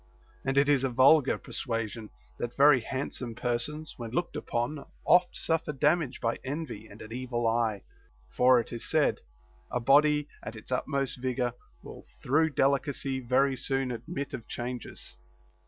And it is a vulgar persuasion, that very handsome persons, when looked upon, oft suffer dam age by envy and an evil eye ; for (it is said) a body at its utmost vigor will through delicacy very soon admit of changes.